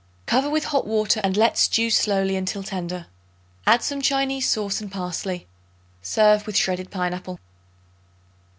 Cover with hot water and let stew slowly until tender. Add some Chinese sauce and parsley. Serve with shredded pineapple.